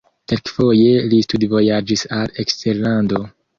Kelkfoje li studvojaĝis al eksterlando.